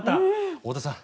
太田さん